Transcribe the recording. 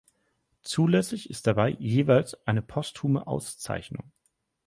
Zulässig ist dabei jeweils eine posthume Auszeichnung.